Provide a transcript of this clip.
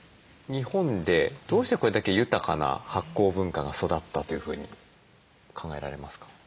日本でどうしてこれだけ豊かな発酵文化が育ったというふうに考えられますか？